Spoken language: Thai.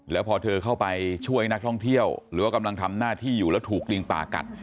แล้วพอเธอเข้าไปช่วยนักท่องเที่ยวหรือว่ากำลังทำหน้าที่อยู่แล้วถูกลิงป่ากัด